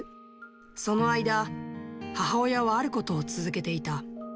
その間、母親はあることを続けていた。